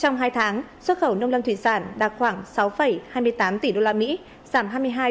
trong hai tháng xuất khẩu nông lâm thuyền sản đạt khoảng sáu hai mươi tám tỷ đô la mỹ